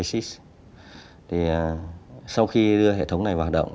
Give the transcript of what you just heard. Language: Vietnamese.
sau khi đưa hệ thống này vào hoạt động